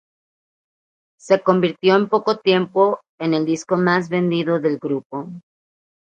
Se convirtió en poco tiempo en el disco más vendido del grupo.